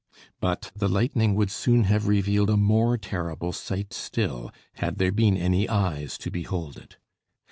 But the lightning would soon have revealed a more terrible sight still, had there been any eyes to behold it.